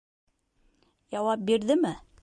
Яуап бирҙеме?